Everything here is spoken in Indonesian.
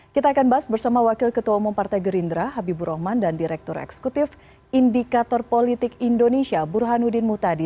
kita akan bahas bersama wakil ketua umum partai gerindra habibur rahman dan direktur eksekutif indikator politik indonesia burhanuddin mutadi